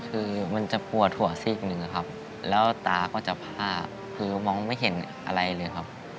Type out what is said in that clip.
คือมันจะปวดหัวซีกหนึ่งนะครับแล้วตาก็จะผ้าคือมองไม่เห็นอะไรเลยครับ